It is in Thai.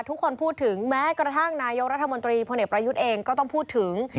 ทุกคนพูดถึงแม้กระทั่งนายกรัฐมนตรีพลเอกประยุทธ์เองก็ต้องพูดถึง